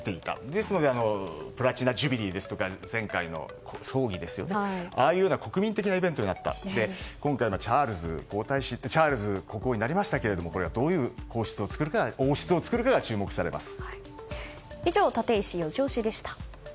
ですのでプラチナ・ジュビリーですとか前回の葬儀といった国民的なイベントもあって今回、チャールズ皇太子がチャールズ国王になりましたがこれがどういう王室を作るかが注目されます。